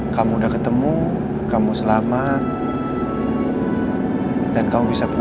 aku masih harus sembunyikan masalah lo andin dari mama